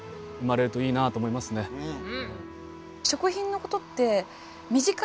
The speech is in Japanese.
うん。